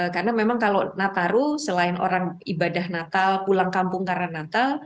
karena memang kalau nataro selain orang ibadah natal pulang kampung karena natal